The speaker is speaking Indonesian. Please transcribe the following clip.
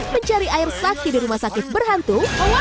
mencari air sakti di rumah sakit berhantu